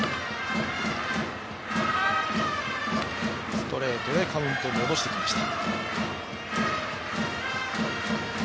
ストレートでカウントを戻してきました。